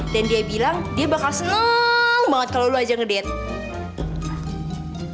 dan dia bilang dia bakal seneng banget kalo lo aja ngedance